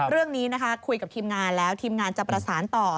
เรื่องนี้นะคะคุยกับทีมงานแล้วทีมงานจะประสานต่อ